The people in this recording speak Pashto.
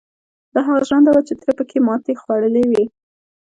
دا هغه ژرنده وه چې تره پکې ماتې خوړلې وه.